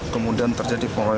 kemudian terjadi penyelamat